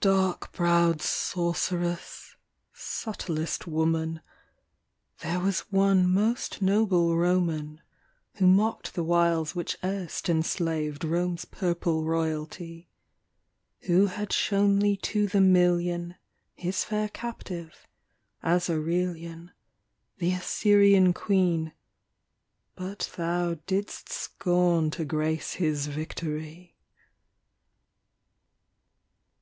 Dark browed sorceress ! subtlest woman. There was one most noble Roman Who mocked the wiles which erst enslaved Rome's purple royalty ; Who had shown thee to the million. His fair captive, — as Aurelian, The Assyrian queen, — but thou didst scorn to grace his victory.